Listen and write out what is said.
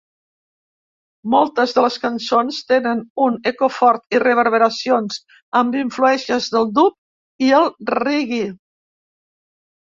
Moltes de les cançons tenen un eco fort i reverberacions, amb influències del dub i el reggae.